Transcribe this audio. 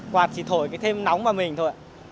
quạt chỉ thổi cái thêm nóng vào mình thôi ạ